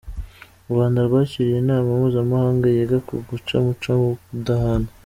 U Rwanda rwakiriye inama mpuzamahanga yiga ku guca umuco wo kudahana .